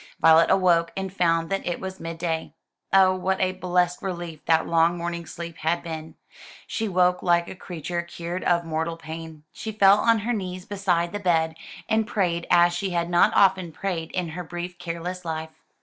Violet awoke, and found that it was mid day. Oh, what a blessed relief that long morning sleep had been. She woke like a creature cured of mortal pain. She fell on her knees beside the bed, and prayed as she had not often prayed in her brief careless life.